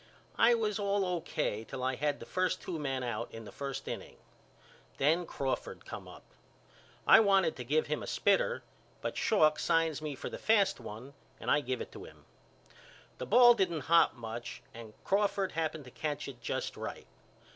I was all O.K. till I had the first two men out in the first inning. Then Crawford come up. I wanted to give him a spitter but Schalk signs me for the fast one and I give it to him. The ball didn't hop much and Crawford happened to catch it just right.